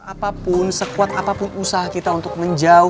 apapun sekuat apapun usaha kita untuk menjauh